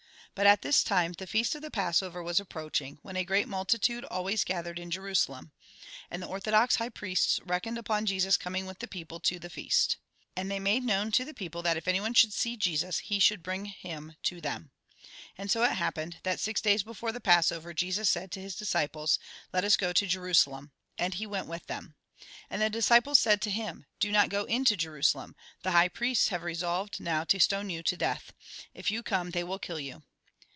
But at this time the feast of the Passover was ap proaching, when a great multitude always gathered in Jerusalem. And the orthodox high priests reckoned upon Jesus coming with the people to the feast. And they made known to the people that if anyone should see Jesus he should bring him to them. And it so happened that, six days before the Passover, Jesus said to his disciples :" Let us go to Jerusalem." And he went with them. And the disciples said to him :" Do not go into Jerusalem. The high priests have resolved now to stone you to death. If you come they will kill you."